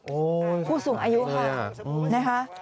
โอ้ยผู้สูงอายุค่ะเลยอ่ะอืมนะคะ